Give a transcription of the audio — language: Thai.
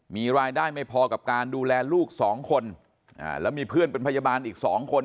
มีรายได้ไม่พอกับการดูแลลูกสองคนแล้วมีเพื่อนเป็นพยาบาลอีกสองคน